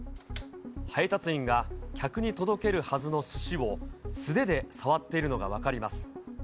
配達員が、客に届けるはずのすしを素手で触っているのが分かります。